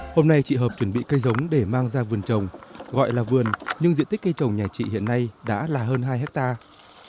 hôm nay chị hợp chuẩn bị cây giống để mang ra vườn trồng gọi là vườn nhưng diện tích cây trồng nhà chị hiện nay đã là hơn hai hectare